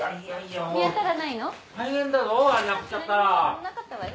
なかったわよ。